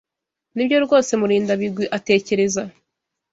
Nibyo rwose Murindabigwi atekereza.